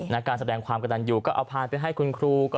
การแสดงความกระดันอยู่ก็เอาพานไปให้คุณครู